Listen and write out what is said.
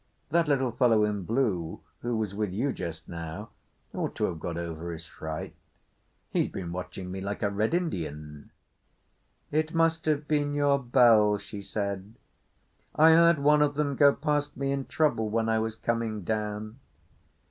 That little fellow in blue who was with you just now ought to have got over his fright. He's been watching me like a Red Indian." "It must have been your bell," she said. "I heard one of them go past me in trouble when I was coming down.